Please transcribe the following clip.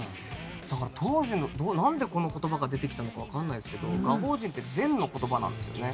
だから当時なんでこの言葉が出てきたのかわかんないですけど「我人」って禅の言葉なんですよね。